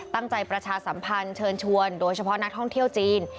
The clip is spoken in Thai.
ประชาสัมพันธ์เชิญชวนโดยเฉพาะนักท่องเที่ยวจีน